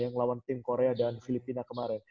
yang melawan tim korea dan filipina kemarin